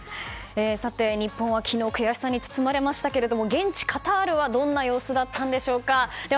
さて、日本は昨日悔しい思いをしたんですが現地カタールはどんな様子だったんでしょうか。